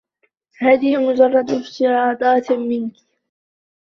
هذه مجرّد افتراضات منكِ.